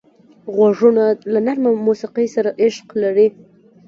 غوږونه له نرمه موسیقۍ سره عشق لري